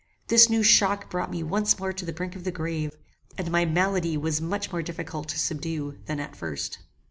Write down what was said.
This new shock brought me once more to the brink of the grave, and my malady was much more difficult to subdue than at first.